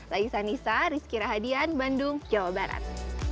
lagi sanisa rizky rahadian bandung jawa barat